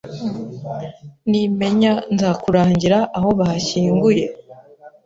Nimenya nzakurangira aho bashyinguye.